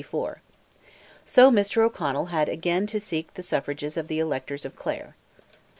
So Mr. O'Connell had again to seek the suffrages of the electors of Clare.